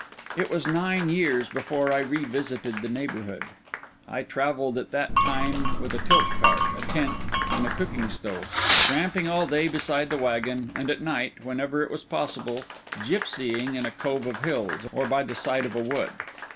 It was nine years before I revisited the neighbourhood. I travelled at that time with a tilt cart, a tent, and a cooking stove, tramping all day beside the waggon, and at night, whenever it was possible, gipsying in a cove of the hills, or by the side of a wood.